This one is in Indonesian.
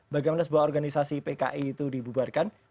bagaimana sebuah organisasi pki itu dibubarkan